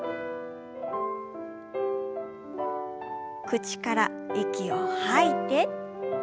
口から息を吐いて。